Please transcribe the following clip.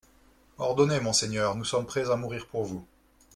Ordonnez, monseigneur, nous sommes prêts à mourir pour vous.